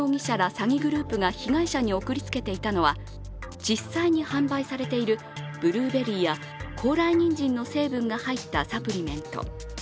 詐欺グループが被害者に送りつけていたのは実際に販売されているブルーベリーや高麗人参の成分が入ったサプリメント。